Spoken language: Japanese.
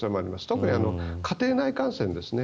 特に家庭内感染ですね。